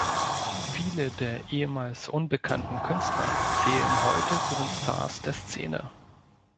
Viele der ehemals unbekannten Künstler zählen heute zu den Stars der Szene.